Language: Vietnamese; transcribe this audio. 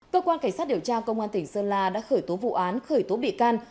cơ quan cảnh sát điều tra công an tỉnh sơn la đã khởi tố vụ án khởi tố bị can